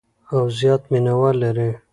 او زیات مینوال لري.